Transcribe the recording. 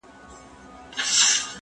کالي د مور له خوا وچول کيږي!.